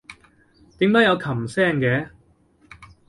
點解有琴聲嘅？